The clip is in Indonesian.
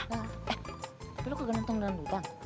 eh tapi lu kegenetung dengan dudang